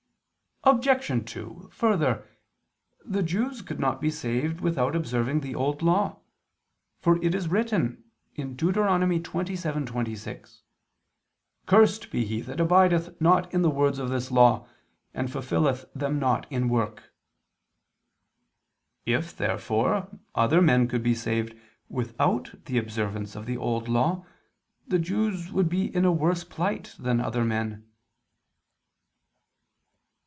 Obj. 2: Further, the Jews could not be saved without observing the Old Law: for it is written (Deut. 27:26): "Cursed be he that abideth not in the words of this law, and fulfilleth them not in work." If therefore other men could be saved without the observance of the Old Law, the Jews would be in a worse plight than other men.